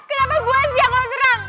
kenapa gue sih yang lo serang